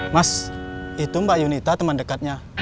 mas itu mbak yunita teman dekatnya